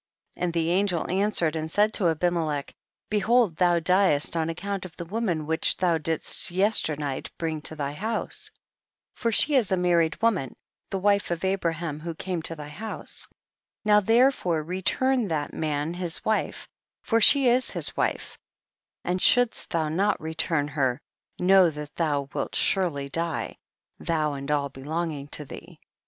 And the angel answered and said to Abimelech, behold thou diest on account of the woman which thou didst yesternight bring to thy house, for she is a married woman, the wife of Abraham who came to thy house ; now therefore return that man his wife, for she is his wife ; and shouldst thou not return her, know that thou wilt surely die, thou and all belong ing to thee, 15.